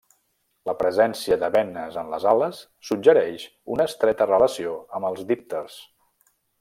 La presència de venes en les ales suggereix una estreta relació amb els dípters.